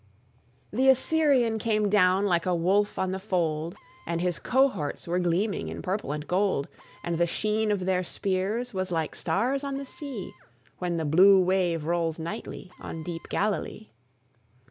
(1788 1824.) The Assyrian came down like a wolf on the fold, And his cohorts were gleaming in purple and gold; And the sheen of their spears was like stars on the sea, When the blue wave rolls nightly on deep Galilee.